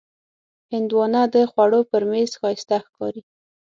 هندوانه د خوړو پر میز ښایسته ښکاري.